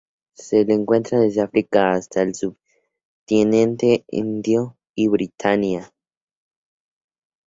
Se le encuentra desde África hasta el subcontinente indio y Birmania.